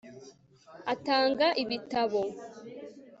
atanga ibitabo